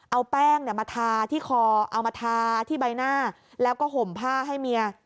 เอาแป้งมาทาที่คอเอามาทาที่ใบหน้าแล้วก็ห่มผ้าให้เมีย